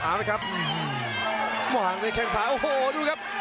เอาล่ะครับหวังในแข่งสายโอ้โหดูครับ